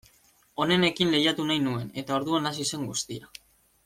Onenekin lehiatu nahi nuen, eta orduan hasi zen guztia.